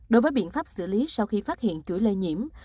đối với biện pháp xử lý sau khi phát hiện chuỗi lây nhiễm